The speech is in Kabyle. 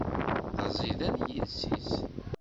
D aẓidan yiles-is.